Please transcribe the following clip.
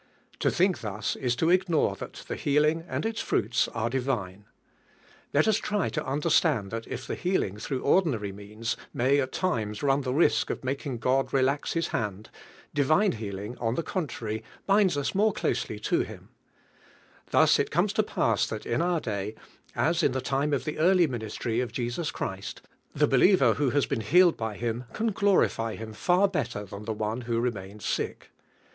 To think thus is to ignore that the healing and iis fruits are divine. Let us try to under slant! that if the healing through ordinary means may at times run the risk of mak ing God relax His hand, divine healing, .Hi the contrary, binds us more closely to Him, Thus it comes to pass that in our 96 DIVlHE DBAUNQ. day, as in tlie time of the early ministry of Jesus Christ, the believer who has been healed by Him can glorify Him far better thaa the one who remains sick.